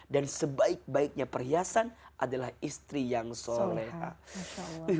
dan sebaik baiknya perhiasan adalah istri yang solehah